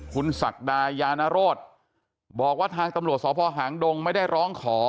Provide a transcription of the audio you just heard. คุณศักดายานโรธบอกว่าทางตำรวจสพหางดงไม่ได้ร้องขอ